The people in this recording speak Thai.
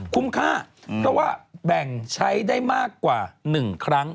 คุ้มค่าเพราะว่าแบ่งใช้ได้มากกว่า๑ครั้ง